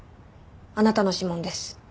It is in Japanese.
あなたの指紋です。